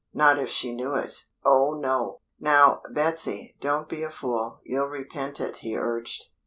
Not if she knew it. Oh no! "Now, Betsy, don't be a fool, you'll repent it," he urged.